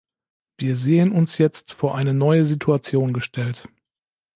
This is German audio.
Wir sehen uns jetzt vor eine neue Situation gestellt.